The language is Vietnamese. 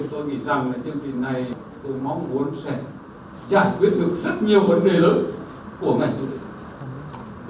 tôi nghĩ rằng là chương trình này tôi mong muốn sẽ giải quyết được rất nhiều vấn đề lớn của ngành du lịch